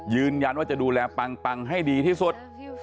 ยืนยันว่าจะดูแลปังปังให้ดีที่สุด